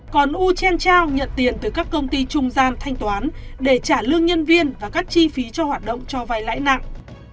còn wu chenchao nhận tiền từ các công ty trung gian thanh toán để trả lương nhân viên và các chi phí cho hoạt động cho vay lãi nặng